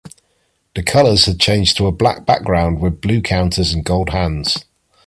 The colours had changed to a black background with blue counters and gold hands.